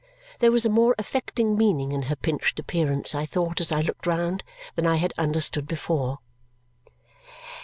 There was a more affecting meaning in her pinched appearance, I thought as I looked round, than I had understood before.